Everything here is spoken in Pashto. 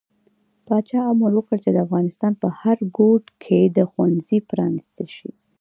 پاچا امر وکړ چې د افغانستان په هر ګوټ کې د ښوونځي پرانستل شي.